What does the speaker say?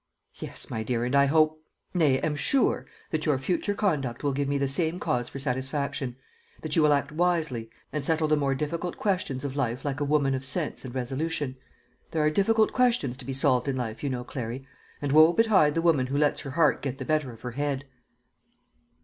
"Yes, my dear, and I hope nay, am sure that your future conduct will give me the same cause for satisfaction; that you will act wisely, and settle the more difficult questions of life like a woman of sense and resolution. There are difficult questions to be solved in life, you know, Clary; and woe betide the woman who lets her heart get the better of her head!"